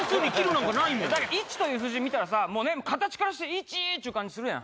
１という数字見たらさ、もう形からして、１っちゅう感じするやん。